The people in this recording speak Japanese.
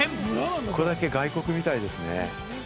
ここだけ海外みたいですね。